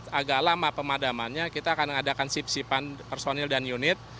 agak lama pemadamannya kita akan mengadakan sip sipan personil dan unit